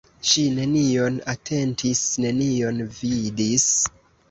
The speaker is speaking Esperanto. Ŝi nenion atentis, nenion vidis.